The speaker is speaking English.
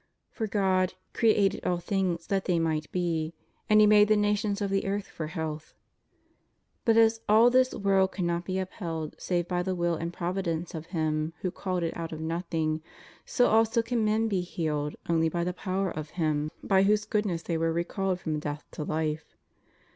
For God created all things that they might he: and He made the nations of the earth for health} But as all this world cannot be upheld save by the will and providence of Him who called it out of nothing, so also can men be healed only by the power of Him by whose good » Wi»d. i. 14. THE RIGHT ORDERING OF CHRISTIAN LIFE. 169 ness they were recalled from death to life.